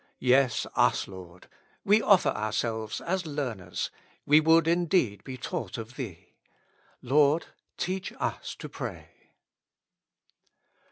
Yes, us, Lord; we offer ourselves as learners; we would indeed be taught of Thee. " Lord, teach us to pray."